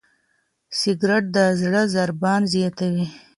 سګریټ د زړه ضربان زیاتوي.